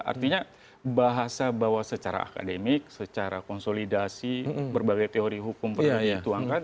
artinya bahasa bahwa secara akademik secara konsolidasi berbagai teori hukum pernah dituangkan